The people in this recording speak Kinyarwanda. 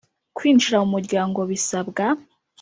Kwinjira mu muryango bisabwa